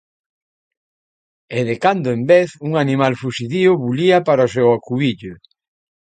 —… e, de cando en vez, un animal fuxidío bulía para o seu acubillo.